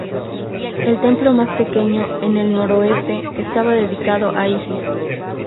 El templo más pequeño, en el noroeste, estaba dedicado a Isis.